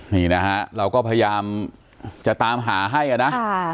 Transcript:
นี่นะฮะเราก็พยายามจะตามหาให้นะ